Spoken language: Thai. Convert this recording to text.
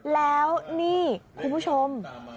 แล้วนี่คุณผู้ชม